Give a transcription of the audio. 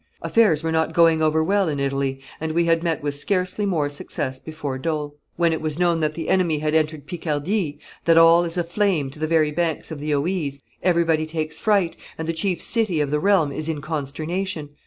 Affairs were not going over well in Italy, and we had met with scarcely more success before Dole. When it was known that the enemy had entered Picardy, that all is a flame to the very banks of the Oise, everybody takes fright, and the chief city of the realm is in consternation.